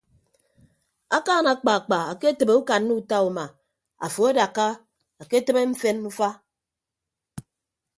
Akaan akpaakpa aketịbe ukanna uta uma afo adakka uke tịbe mfen ufa.